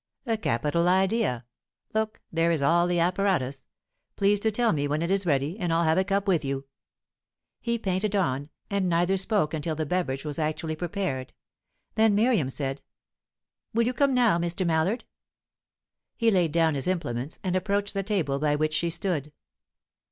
"A capital idea. Look, there is all the apparatus. Please to tell me when it is ready, and I'll have a cup with you." He painted on, and neither spoke until the beverage was actually prepared. Then Miriam said: "Will you come now, Mr. Mallard?" He laid down his implements, and approached the table by which she stood.